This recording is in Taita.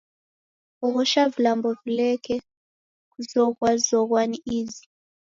Oghosha vilambo vileke kuzoghwazoghwa ni izi.